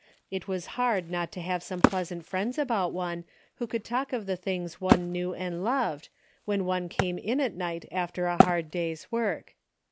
It was hard not to have some pleasant friends about one who could talk of the things one knew and loved, when one came in at night after a hard day's work.